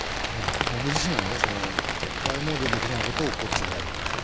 僕自身はねＹＭＯでできないことをこっちでやるみたいな。